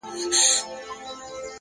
مهرباني د زړونو ترمنځ باور کرل دي.!